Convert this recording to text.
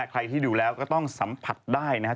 ใครที่ดูแล้วก็ต้องสัมผัสได้นะครับ